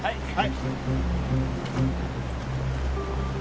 はい。